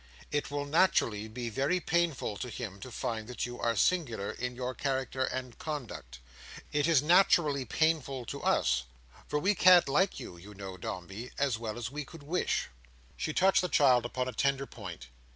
It will naturally be very painful to him to find that you are singular in your character and conduct. It is naturally painful to us; for we can't like you, you know, Dombey, as well as we could wish." She touched the child upon a tender point.